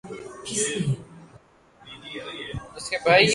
پر نسیب آفندی نے ناول لکھا، اس کا ترجمہ کروا کے